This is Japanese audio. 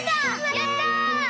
やった！